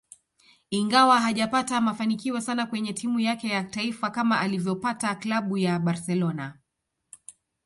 Ingawa hajapata mafanikio sana kwenye timu yake ya taifa kama alivyopata Klabu ya Barcelona